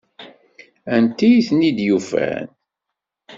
Anti ay ten-id-yufan?